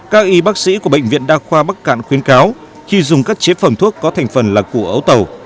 các y bác sĩ của bệnh viện đa khoa bắc cạn khuyến cáo khi dùng các chế phẩm thuốc có thành phần là của ấu tàu